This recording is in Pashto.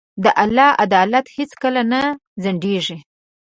د الله عدالت هیڅکله نه ځنډېږي.